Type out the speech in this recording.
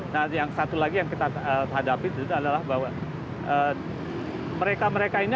nah yang satu lagi yang kita hadapi adalah bahwa mereka mereka ini